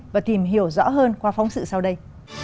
và tìm hiểu rõ hơn qua phóng sự sau đây